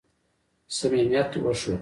صمیمیت وښود.